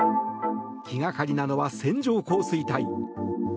気がかりなのは、線状降水帯。